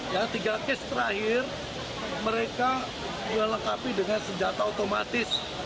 yang tiga kes terakhir mereka dilengkapi dengan senjata otomatis